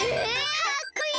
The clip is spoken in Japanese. かっこいい！